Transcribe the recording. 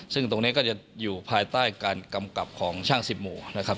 ซึ่งตรงนี้ก็จะอยู่ภายใต้การกำกับของช่างสิบหมู่นะครับ